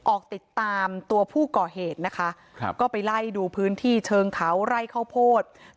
ออกติดตามตัวผู้ก่อเหตุนะคะครับก็ไปไล่ดูพื้นที่เชิงเขาไร่ข้าวโพด